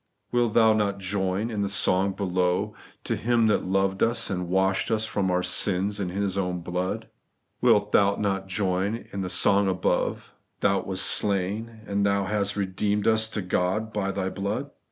Wilt thou not join in the soi^ below, ' To Him that loved ns, and washed ns from our sins in His own blood '? Wilt thou not join in the song above, ' Thou wast slain, and hast re deemed us to God by Thy blood